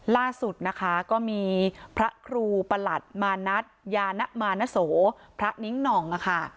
ล่าสุดนะคะก็มีพระครูประหลัดมานัทยานะมานโสพระนิ้งหน่องค่ะ